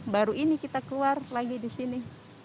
baru ini kita keluar lagi di sini